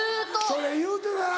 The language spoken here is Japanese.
それ言うてたな。